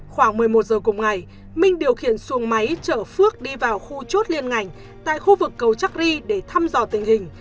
khoảng một mươi một giờ cùng ngày minh điều khiển xuồng máy chở phước đi vào khu chốt liên ngành tại khu vực cầu trác ri để thăm dò tình hình